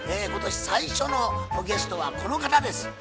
今年最初のゲストはこの方です。